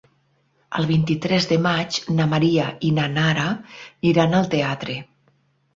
El vint-i-tres de maig na Maria i na Nara iran al teatre.